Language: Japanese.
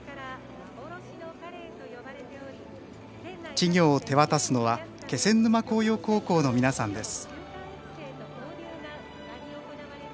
稚魚を手渡すのは気仙沼向洋高校の皆さんです。